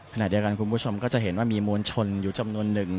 ขณะเดียวกันคุณผู้ชมก็จะเห็นว่ามีมวลชนอยู่จำนวนหนึ่ง